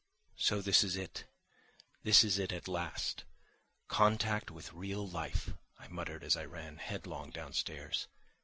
V "So this is it, this is it at last—contact with real life," I muttered as I ran headlong downstairs.